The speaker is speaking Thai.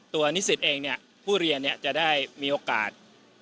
นิสิตเองผู้เรียนจะได้มีโอกาส